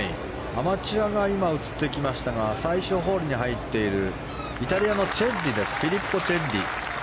アマチュアが今映ってきましたが最終ホールに入っているイタリアのフィリッポ・チェッリ。